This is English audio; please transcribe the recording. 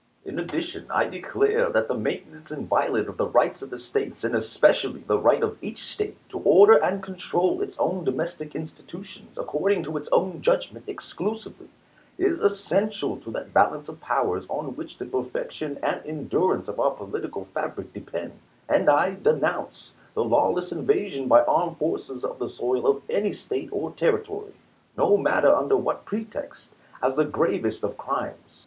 In addition I declare that the maintenance inviolate of the rights of the States, and especially the right of each State to order and control its own domestic institutions according to its own judgment exclusively, is essential to that balance of powers on which the perfection and en durance of our political fabric depend ; and I denounce the lawless invasion by armed force of the soil of any State or Territory, no matter under what pretext, as the gravest of crimes.